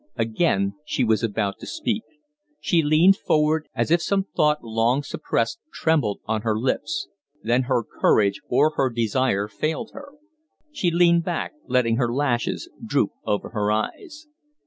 Again she was about to speak. She leaned forward, as if some thought long suppressed trembled on her lips; then her courage or her desire failed her. She leaned back, letting her lashes droop over her eyes.